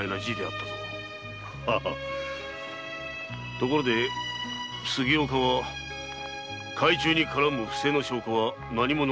ところで杉岡は改鋳に絡む不正の証拠は何も残してないか？